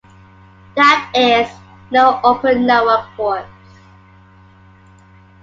That is, no open network ports.